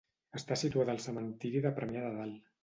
Està situada al Cementiri de Premià de Dalt.